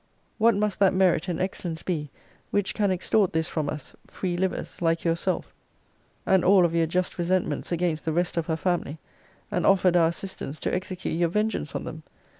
What must that merit and excellence be which can extort this from us, freelivers, like yourself, and all of your just resentments against the rest of her family, and offered our assistance to execute your vengeance on them?